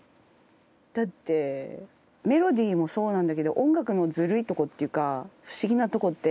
だってメロディーもそうなんだけど音楽のずるいとこっていうか不思議なとこって。